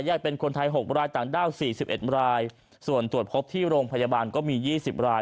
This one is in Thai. เป็นคนไทย๖รายต่างด้าว๔๑รายส่วนตรวจพบที่โรงพยาบาลก็มี๒๐ราย